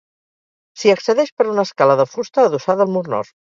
S'hi accedeix per una escala de fusta adossada al mur nord.